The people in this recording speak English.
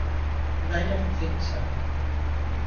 They don't think so.